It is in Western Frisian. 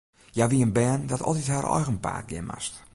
Hja wie in bern dat altyd har eigen paad gean moast.